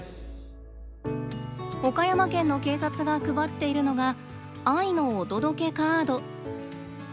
岡山県の警察が配っているのが「愛のお届けカード」。